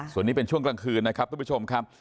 ส่วนนี้เป็นช่วงกลางคืนนะครับทุกผู้ชมครับ